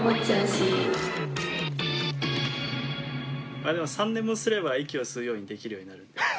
まあでも３年もすれば息を吸うようにできるようになるんで。